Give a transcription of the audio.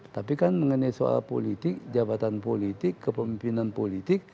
tapi kan mengenai soal politik jabatan politik kepemimpinan politik